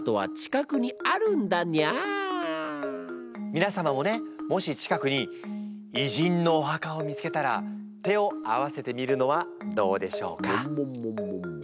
みな様もねもし近くに偉人のお墓を見つけたら手を合わせてみるのはどうでしょうか？